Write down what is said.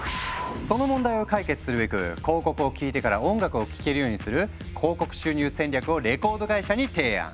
その問題を解決するべく広告を聞いてから音楽を聴けるようにする「広告収入戦略」をレコード会社に提案。